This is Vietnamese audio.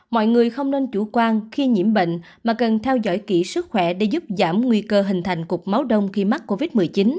mọi người không nên chủ quan khi nhiễm bệnh mà cần theo dõi kỹ sức khỏe để giúp giảm nguy cơ hình thành cục máu đông khi mắc covid một mươi chín